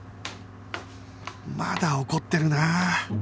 まだ怒ってるなあ